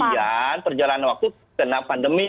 kemudian perjalanan waktu kena pandemi